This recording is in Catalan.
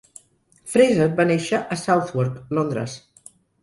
Fraser va néixer a Southwark, Londres.